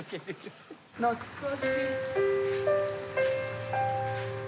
懐かしい。